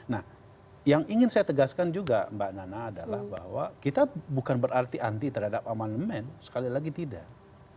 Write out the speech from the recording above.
nah yang ingin saya tegaskan juga mbak nana adalah bahwa kita bukan berarti anti terhadap amandemen sekali lagi tidak